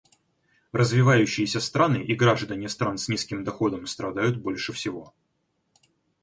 Развивающиеся страны и граждане стран с низким доходом страдают больше всего.